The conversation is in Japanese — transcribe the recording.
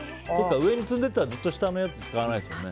上に積んでいったらずっと下のやつ使わないですもんね。